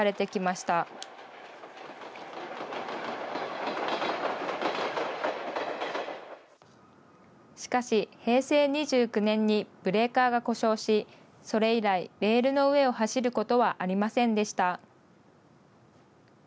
しかし、平成２９年にブレーカーが故障し、それ以来、レールの上を走ることはありませんでした。